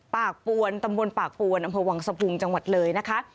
ปวนตำบลปากปวนอำเภอวังสะพุงจังหวัดเลยนะคะ